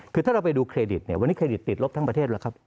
คือถ้าเราไปดูเครดิตเนี่ยวันนี้เครดิตติดลบทั้งประเทศแล้วครับ